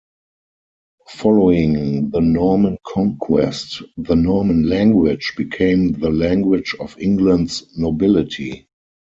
Following the Norman conquest, the Norman language became the language of England's nobility.